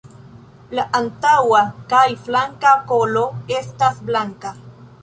La antaŭa kaj flanka kolo estas blanka.